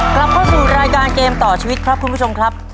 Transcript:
กลับเข้าสู่รายการเกมต่อชีวิตครับคุณผู้ชมครับ